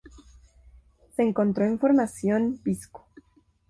Se encontró en la Formación Pisco.